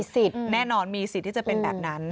สิทธิ์แน่นอนมีสิทธิ์ที่จะเป็นแบบนั้น